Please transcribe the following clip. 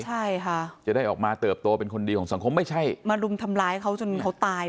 ใช่ค่ะจะได้ออกมาเติบโตเป็นคนดีของสังคมไม่ใช่มารุมทำร้ายเขาจนเขาตาย